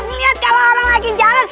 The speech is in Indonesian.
kamu lihat lihat kalau orang lagi jalan